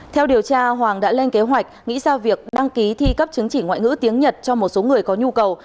theo điều tra hoàng đã lên kế hoạch nghĩ sao việc đăng ký thi cấp chứng chỉ ngoại ngữ tiếng nhật cho một số người có nhu cầu